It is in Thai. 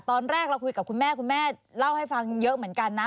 ตอนแรกเราคุยกับคุณแม่คุณแม่เล่าให้ฟังเยอะเหมือนกันนะ